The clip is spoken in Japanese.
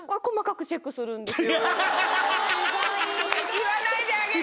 言わないであげて。